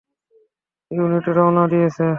Unit রওয়ানা দিয়েছে।